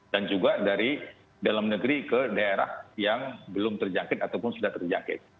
dan juga dari dalam negeri ke daerah yang belum terjangkit ataupun sudah terjangkit